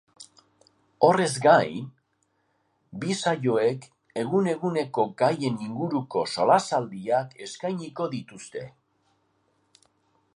Horrez gain, bi saioek egun-eguneko gaien inguruko solasaldiak eskainiko dituzte.